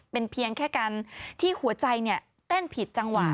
เป็นเพียงแค่การที่หัวใจเต้นผิดจังหวะ